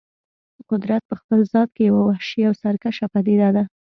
قدرت په خپل ذات کې یوه وحشي او سرکشه پدیده ده.